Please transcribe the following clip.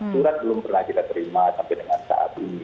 surat belum pernah kita terima sampai dengan saat ini